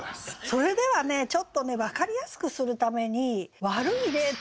それではねちょっとね分かりやすくするために悪い例っていうのをね